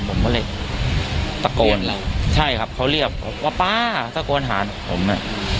ผมก็เลยตะโกนเราใช่ครับเขาเรียกว่าป้าตะโกนหาผมอ่ะ